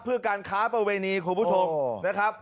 เพื่อการค้าประเวณีคุณผู้ชมนะครับ